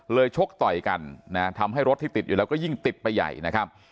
ชกต่อยกันนะทำให้รถที่ติดอยู่แล้วก็ยิ่งติดไปใหญ่นะครับ